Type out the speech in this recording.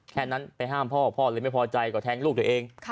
แค่นั้นไปห้ามพ่อพ่อเลยไม่พอใจก็แทงลูกตัวเอง